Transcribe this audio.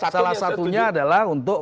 salah satunya adalah untuk